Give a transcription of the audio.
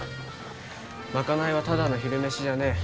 賄いはただの昼飯じゃねえ。